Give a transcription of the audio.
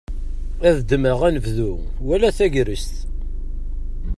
Ad ddmeɣ anebdu wala tagrest.